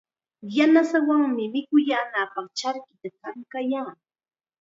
Yanasaawanmi mikuyaanapaq charkita kankayaa.